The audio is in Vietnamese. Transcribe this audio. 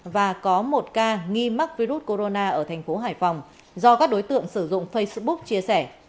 và có một ca nghi mắc virus corona ở thành phố hải phòng do các đối tượng sử dụng facebook chia sẻ